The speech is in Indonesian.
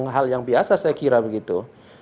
hal yang biasa saya kira begitu